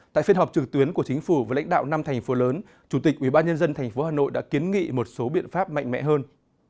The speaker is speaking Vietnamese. tại phiên họp trực tuyến của chính phủ với lãnh đạo năm thành phố lớn chủ tịch ubnd tp hà nội đã kiến nghị một số biện pháp mạnh mẽ hơn